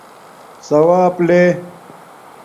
ثݸاپ لے